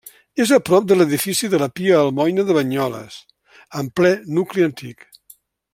És a prop de l'edifici de la Pia Almoina de Banyoles, en ple nucli antic.